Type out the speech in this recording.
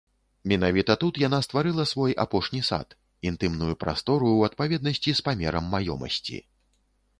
Менавіта тут яна стварыла свой апошні сад, інтымную прастору ў адпаведнасці з памерам маёмасці.